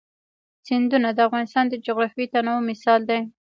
سیندونه د افغانستان د جغرافیوي تنوع مثال دی.